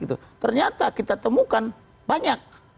ternyata kita temukan banyak